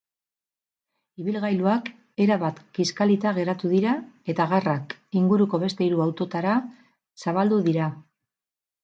Ibilgailuak erabat kiskalita geratu dira eta garrak inguruko beste hiru autotara zabaldu dira.